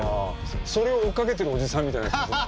それを追っかけてるおじさんみたいな。